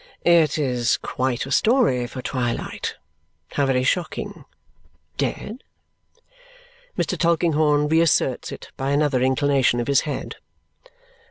"It is quite a story for twilight. How very shocking! Dead?" Mr. Tulkinghorn re asserts it by another inclination of his head.